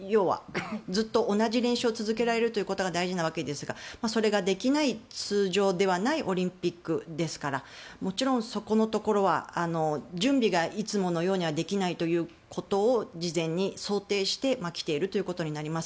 ずっと同じ練習を続けられるということが大事なわけですがそれができない、通常ではないオリンピックですからもちろん、そこのところは準備がいつものようにはできないということを事前に想定して来ていることになります。